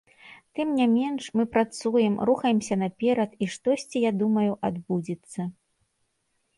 Тым не менш мы працуем, рухаемся наперад і штосьці, я думаю, адбудзецца.